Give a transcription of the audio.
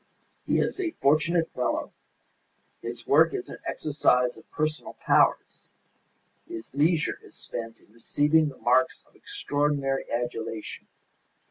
He is a fortunate fellow! His work is an exercise of personal powers; his leisure is spent in receiving the marks of extraordinary adulation.